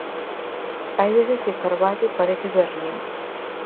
Hai veces que Carballo parece Berlín.